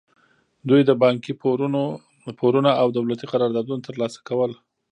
دوی د بانکي پورونه او دولتي قراردادونه ترلاسه کول.